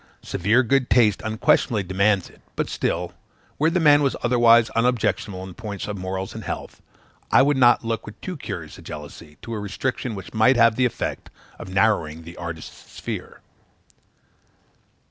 Severe good taste unquestionably demands it; but still, where the man was otherwise unobjectionable in point of morals and health, I would not look with too curious a jealousy to a restriction which might have the effect of narrowing the artist's sphere.